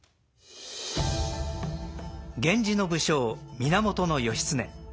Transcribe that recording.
源氏の武将源義経。